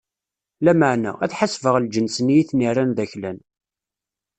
Lameɛna, ad ḥasbeɣ lǧens-nni i ten-irran d aklan.